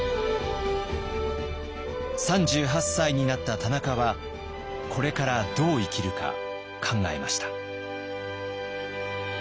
３８歳になった田中はこれからどう生きるか考えました。